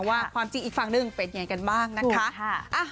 ว่าความจริงอีกฝั่งหนึ่งเป็นยังไงกันบ้างนะคะ